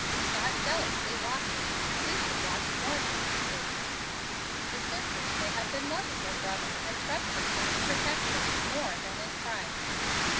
God jealously watches; we should watch more jealously. The sisters may have been loving their brother and trusting to his protection more than in Christ.